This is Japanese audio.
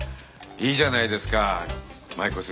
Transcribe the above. いいじゃないですか舞妓姿。